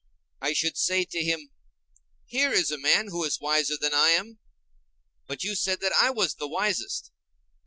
I should say to him, "Here is a man who is wiser than I am; but you said that I was the wisest."